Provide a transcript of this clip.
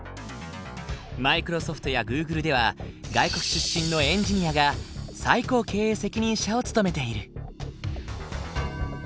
マイクロソフトやグーグルでは外国出身のエンジニアが最高経営責任者を務めている。